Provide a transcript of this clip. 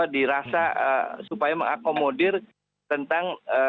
dirasa supaya mengakomodir tentang